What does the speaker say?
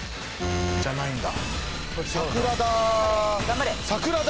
じゃないんだ。